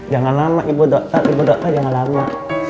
jangan lama ibu dokter ibu dokter jangan lama